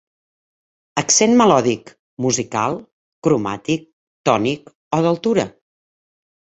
Accent melòdic, musical, cromàtic, tònic o d'altura.